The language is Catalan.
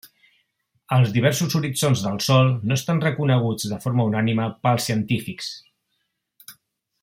Els diversos horitzons del sòl no estan reconeguts de forma unànime pels científics.